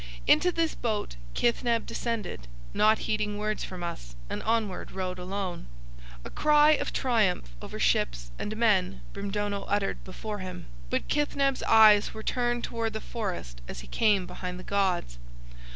Into this boat Kithneb descended, not heeding words from us, and onward rowed alone. A cry of triumph over ships and men Brimdono uttered before him, but Kithneb's eyes were turned toward the forest as he came behind the gods.